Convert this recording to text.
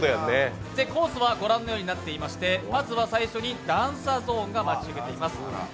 コースはご覧のようになっていましてまずは最初に段差ゾーンが待ち受けています。